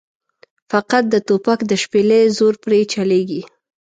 فقط د توپک د شپېلۍ زور پرې چلېږي.